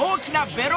ベロ！